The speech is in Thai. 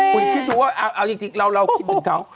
คุณคิดดูว่าเอาจริงเราคิดถึงเขา